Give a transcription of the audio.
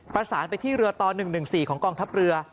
ประสานไปที่เรือต่อ๑๑๔ของกองทัพเรือ